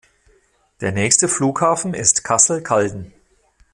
Der nächste Flughafen ist Kassel-Calden.